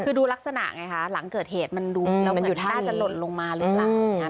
คือดูลักษณะไงคะหลังเกิดเหตุมันดูแล้วเหมือนน่าจะหล่นลงมาหรือเปล่า